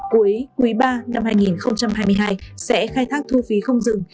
cuối quý ba năm hai nghìn hai mươi hai sẽ khai thác thu phí không dừng